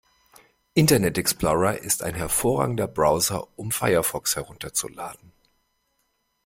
Internet Explorer ist ein hervorragender Browser, um Firefox herunterzuladen.